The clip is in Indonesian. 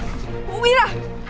jangan luar biasa